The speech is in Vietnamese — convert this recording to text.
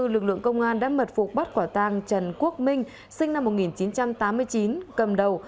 lực lượng công an đã mật phục bắt quả tang trần quốc minh sinh năm một nghìn chín trăm tám mươi chín cầm đầu